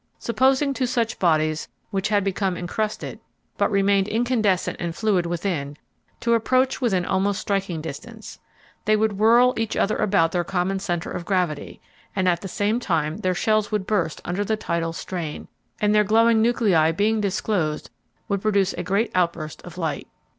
Supposing two such bodies which had become encrusted, but remained incandescent and fluid within, to approach within almost striking distance; they would whirl each other about their common center of gravity, and at the same time their shells would burst under the tidal strain, and their glowing nuclei being disclosed would produce a great outburst of light.